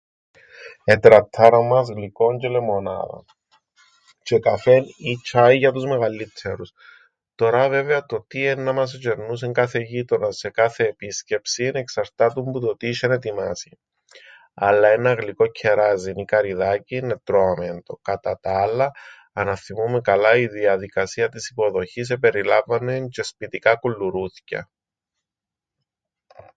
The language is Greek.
Ετραττάραν μας γλυκόν τζ̆αι λεμονάδαν, τζ̆αι καφέν ή τσ̆άιν για τους μεγαλλύττερους. Τωρά βέβαια το τι εννά μας ετζ̆ερνούσεν κάθε γείτονας σε κάθε επίσκεψην εξαρτάτουν που το τι είσ̆εν ετοιμάσει, αλλά έναν γλυκόν κκεράζιν ή καρυδάκιν ετρώαμεν το. Κατά τα άλλα αν αθθυμο΄υμαι καλά η διαδικασία της υποδοχής επεριλάμβαννεν τζ̆αι σπιτικά κουλουρούθκια.